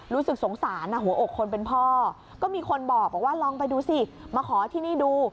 รู้สึกสงสารหัวอกคนเป็นพ่อก็มีคนบอกว่าลองไปดูสิมาขอที่นี่ดู